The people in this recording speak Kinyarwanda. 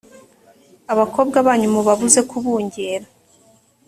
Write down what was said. abakobwa banyu mubabuze kubungera.